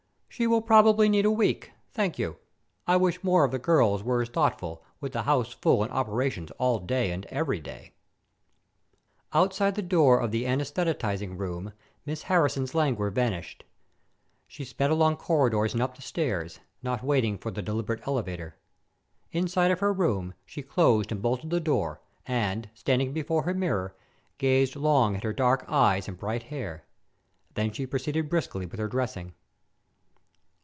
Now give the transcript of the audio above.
"She will probably need a week. Thank you. I wish more of the girls were as thoughtful, with the house full and operations all day and every day." Outside the door of the anaesthetizing room Miss Harrison's languor vanished. She sped along corridors and up the stairs, not waiting for the deliberate elevator. Inside of her room, she closed and bolted the door, and, standing before her mirror, gazed long at her dark eyes and bright hair. Then she proceeded briskly with her dressing.